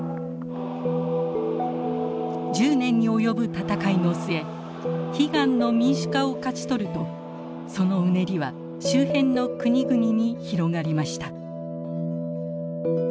１０年に及ぶ闘いの末悲願の民主化を勝ち取るとそのうねりは周辺の国々に広がりました。